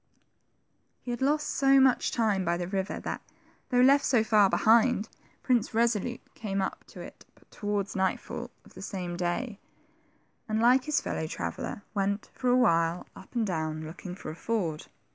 He had lost so much time by the river that, though left so far behind. Prince Resolute came up to it towards nightfall of the same day, and, like his THE TWO FRINGES. 75 fellow traveller, went, for awhile, up and down, looking for a ford.